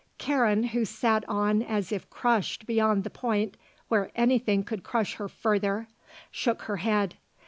Karen, who sat on as if crushed beyond the point where anything could crush her further, shook her head.